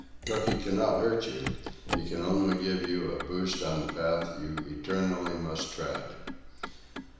Cooky cannot hurt you. He can only give you a boost on the path you eternally must tread.